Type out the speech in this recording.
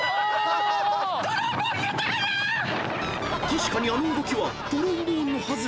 ［確かにあの動きはトロンボーンのはず］